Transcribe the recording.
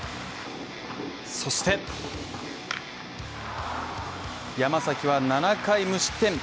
そして山崎は７回、無失点。